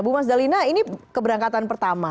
bu mas dalina ini keberangkatan pertama